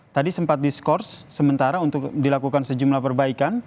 tadi sempat diskors sementara untuk dilakukan sejumlah perbaikan